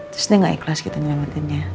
terus dia gak ikhlas gitu nyelamatinnya